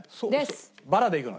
バラでいくのね？